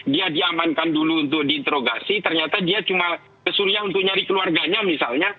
dia diamankan dulu untuk diinterogasi ternyata dia cuma ke suriah untuk nyari keluarganya misalnya